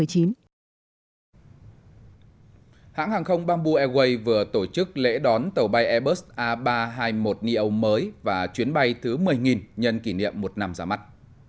hãng hàng không bamboo airways vừa tổ chức lễ đón tàu bay airbus a ba trăm hai mươi một neo mới và chuyến bay thứ một mươi nhân kỷ niệm một năm ra mắt